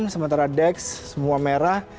sementara dex semua merah